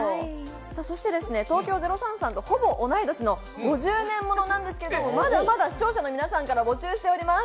そして、東京０３さんとほぼ同い年の５０年ものなんですけれども、まだまだ視聴者の皆さんから募集しております。